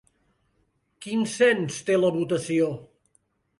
Quin cens té la votació?